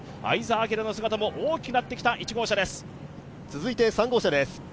相澤晃の姿も大きくなってきた１号車です。